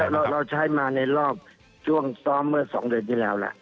เราใช้มาในรอบช่วงซ้อมเมื่อ๒เดือนที่แล้วแล้ว